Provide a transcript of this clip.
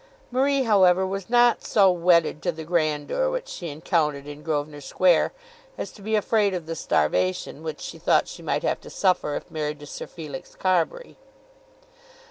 Marie however was not so wedded to the grandeur which she encountered in Grosvenor Square as to be afraid of the starvation which she thought she might have to suffer if married to Sir Felix Carbury.